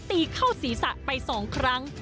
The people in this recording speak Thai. ตีเข้าศีรษะไป๒ครั้ง